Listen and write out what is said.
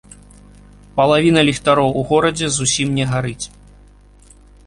Палавіна ліхтароў у горадзе зусім не гарыць.